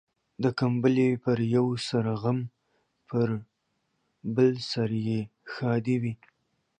د کمبلي پر يوه سر غم ، پر بل سر يې ښادي وي.